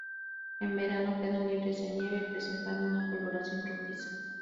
En verano quedan libres de nieve, presentando una coloración rojiza.